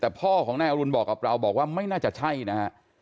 แต่พ่อของนายอรุณบอกกับเราบอกว่าไม่น่าจะใช่นะฮะ